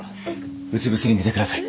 うつ伏せに寝てください